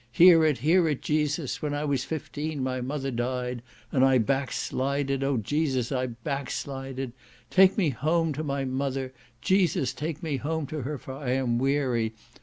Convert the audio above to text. hear it, hear it Jesus! when I was fifteen my mother died, and I backslided, oh Jesus, I backslided! take me home to my mother, Jesus! take me home to her, for I am weary!